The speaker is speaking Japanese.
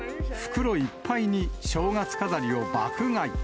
袋いっぱいに、正月飾りを爆買い。